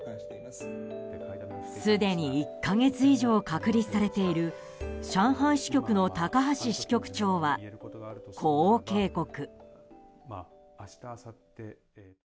すでに１か月以上隔離されている上海支局の高橋支局長はこう警告。